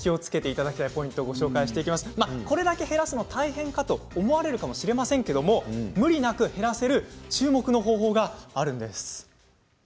これだけ減らすのは大変だと思われるかもしれませんが無理なく減らせる注目の方法があります。